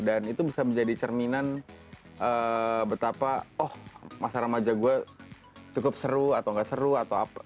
itu bisa menjadi cerminan betapa oh masa remaja gue cukup seru atau nggak seru atau apa